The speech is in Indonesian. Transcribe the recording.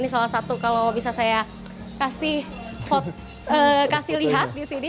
ini salah satu kalau bisa saya kasih lihat di sini